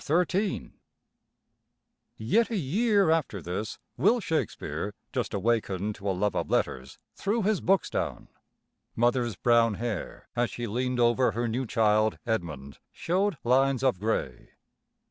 XIII Yet a year after this Will Shakespeare, just awakened to a love of letters, threw his books down. Mother's brown hair, as she leaned over her new child, Edmund, showed lines of gray.